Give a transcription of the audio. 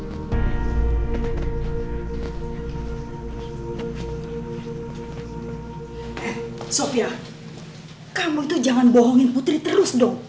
eh sofia kamu tuh jangan bohongin putri terus dong